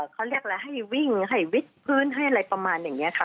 เขาเรียกอะไรให้วิ่งให้วิดพื้นให้อะไรประมาณอย่างนี้ค่ะ